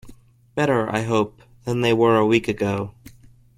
Better, I hope, than they were a week ago.